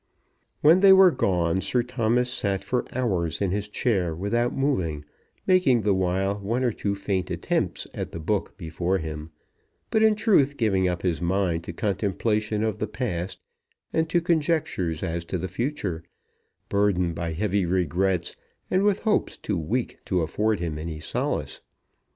When they were gone, Sir Thomas sat for hours in his chair without moving, making the while one or two faint attempts at the book before him, but in truth giving up his mind to contemplation of the past and to conjectures as to the future, burdened by heavy regrets, and with hopes too weak to afford him any solace.